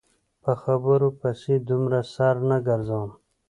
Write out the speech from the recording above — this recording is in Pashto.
په خبرو پسې دومره سر نه ګرځوم.